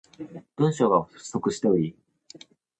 文章が不足しており、録音ができない。